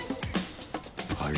あれ？